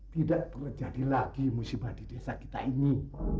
tidak terjadi lagi musibah di desa kita ini